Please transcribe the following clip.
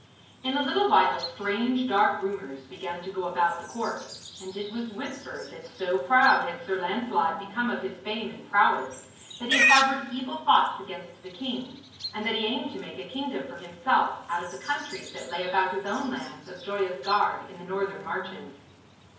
In a little while strange dark rumours began to go about the court, and it was whispered that so proud had Sir Lancelot become of his fame and prowess, that he harboured evil thoughts against the king, and that he aimed to make a kingdom for himself out of the countries that lay about his own lands of Joyous Gard in the northern marches.